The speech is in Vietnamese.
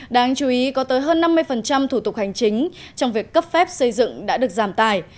đáng chú ý có tới hơn năm mươi thủ tục hành chính trong việc cấp phép xây dựng đã được giảm tài